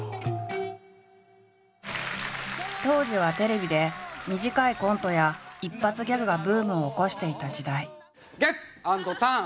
当時はテレビで短いコントや一発ギャグがブームを起こしていた時代。